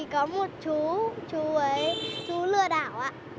chú lừa đảo ạ